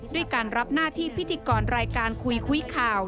ด้วยการรับหน้าที่พิธีกรรายการคุยคุยข่าว